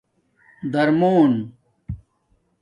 درمݸن